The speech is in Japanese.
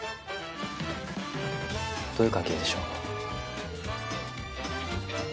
どういう関係でしょう？